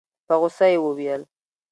په غوسه يې وويل.